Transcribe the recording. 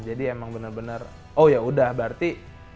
jadi emang benar benar oh ya udah berarti